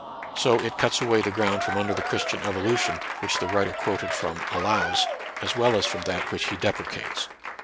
So it cuts away the ground from under the Christian evolution which the writer quoted from allows, as well as from that which he deprecates.